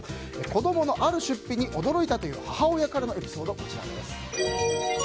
子供のある出費に驚いたという母親からのエピソードです。